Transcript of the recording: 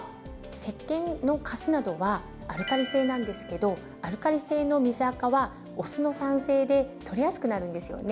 せっけんのカスなどはアルカリ性なんですけどアルカリ性の水あかはお酢の酸性で取れやすくなるんですよね。